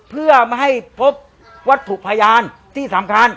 เพื่อไม่ให้พบวัตถุพยานที่สำคัญ